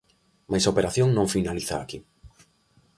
Mais a operación non finaliza aquí.